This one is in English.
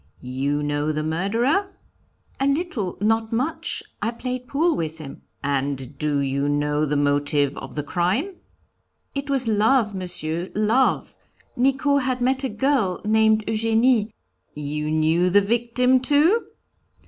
'You know the murderer?' 'A little, not much; I played pool with him.' 'And do you know the motive of the crime?' 'It was love, Monsieur, love; Nicot had met a girl, named Eugénie ' 'You knew the victim, too?'